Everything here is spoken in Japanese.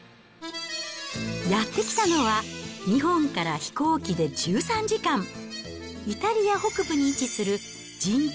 やって来たのは、日本から飛行機で１３時間、イタリア北部に位置する人口